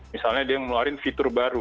misalnya dia ngeluarin fitur baru